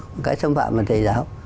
một cái xâm phạm vào thầy giáo